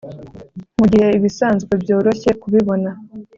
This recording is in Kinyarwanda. mugihe ibisanzwe byoroshye kubibona